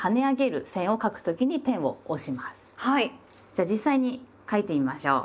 じゃあ実際に書いてみましょう。